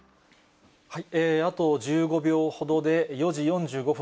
あと１５秒ほどで、４時４５分、